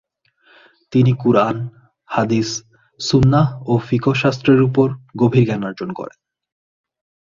তিনি কুরআন, হাদিস, সুন্নাহ ও ফিকহ শাস্ত্রের উপর গভীর জ্ঞানার্জন করেন।